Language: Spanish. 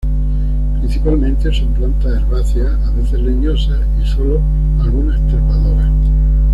Principalmente son plantas herbáceas, a veces leñosas y sólo algunas trepadoras.